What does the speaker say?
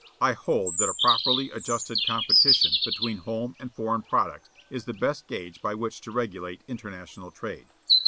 I hold that a properly adjusted competition between home and foreign products is the best gauge by which to regulate international trade.